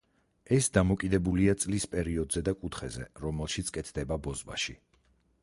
ეს დამოკიდებულია წლის პერიოდზე და კუთხეზე, რომელშიც კეთდება ბოზბაში.